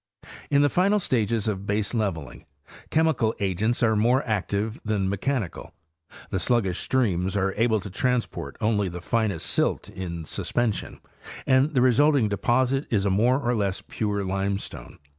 In the final stages of baseleveling, chemical agents are more active than mechanical ; the sluggish streams are able to transport only the finest silt in suspension and the resulting deposit is a more or less pure limestone.